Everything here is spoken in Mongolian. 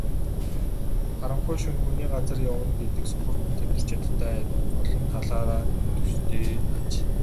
Харанхуй шөнө хүний газар явна гэдэг сохор хүн тэмтэрч ядахтай олон талаар төстэй аж.